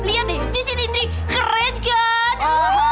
lihat deh cucin indri keren kan